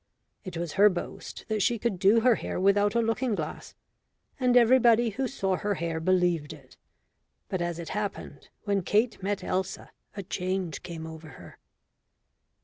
It was her boast that she could do her hair without a looking glass, and everybody who saw her hair believed it. But as it happened, when Kate met Elsa, a change came over her.